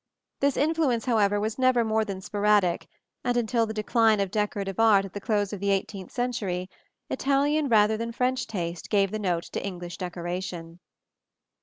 This influence, however, was never more than sporadic; and until the decline of decorative art at the close of the eighteenth century, Italian rather than French taste gave the note to English decoration.